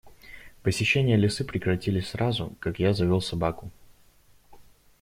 Посещения лисы прекратились сразу, как я завёл собаку.